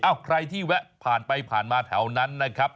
ใครที่แวะผ่านไปผ่านมาแถวนั้นนะครับ